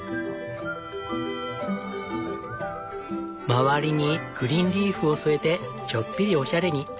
周りにグリーンリーフを添えてちょっぴりおしゃれに。